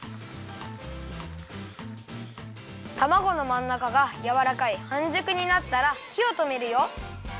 たまごのまんなかがやわらかいはんじゅくになったらひをとめるよ。